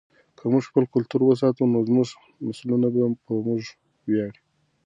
که موږ خپل کلتور وساتو نو زموږ نسلونه به په موږ ویاړي.